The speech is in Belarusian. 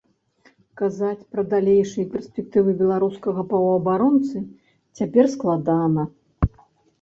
Казаць пра далейшыя перспектывы беларускага паўабаронцы цяпер складана.